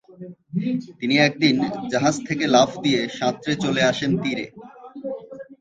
তিনি একদিন জাহাজ থেকে লাফ দিয়ে সাঁতরে চলে আসেন তীরে।